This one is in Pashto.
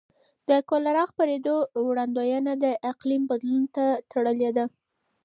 د کولرا خپرېدو وړاندوینه د اقلیم بدلون ته تړلې ده.